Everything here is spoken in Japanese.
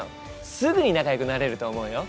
すぐに仲よくなれると思うよ！